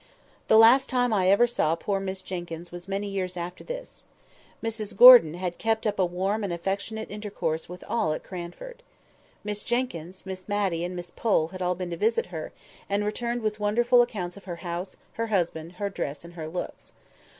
The last time I ever saw poor Miss Jenkyns was many years after this. Mrs Gordon had kept up a warm and affectionate intercourse with all at Cranford. Miss Jenkyns, Miss Matty, and Miss Pole had all been to visit her, and returned with wonderful accounts of her house, her husband, her dress, and her looks.